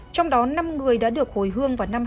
trong đó năm người đã được hồi hương vào năm hai nghìn hai